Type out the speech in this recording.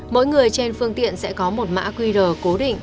mỗi người trên phương tiện sẽ có một mã qr cố định